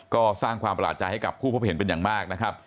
ก็สร้างความประหลาดใจให้กับผู้พบเห็นเป็นอย่างมากนะครับ